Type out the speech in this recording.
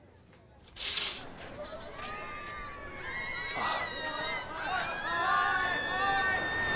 あっ。